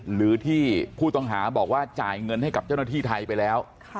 หรือที่ผู้ต้องหาบอกว่าจ่ายเงินให้กับเจ้าหน้าที่ไทยไปแล้ว